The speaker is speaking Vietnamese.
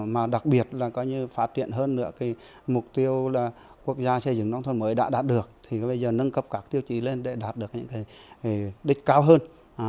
mà đặc biệt là coi như phát triển hơn nữa cái mục tiêu là quốc gia xây dựng nông thôn mới đã đạt được thì bây giờ nâng cấp các tiêu chí lên để đạt được những đích cao hơn